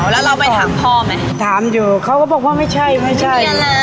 แล้วเราไปถามพ่อไหมถามอยู่เขาก็บอกว่าไม่ใช่ไม่ใช่